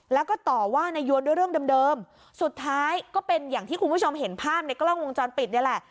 แล้วก็ต่อว่านายยวนด้วยเรื่องเดิมสุดท้ายก็เป็นอย่างที่คุณผู้ชมเห็นภาพในกล้องวงจรปิดนี่แหละ